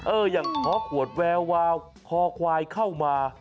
อย่างขอขวดแวววาวคอควายเข้ามา